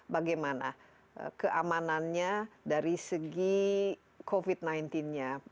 bagaimana keamanannya dari segi covid sembilan belas nya